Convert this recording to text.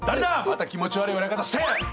また気持ち悪い笑い方して！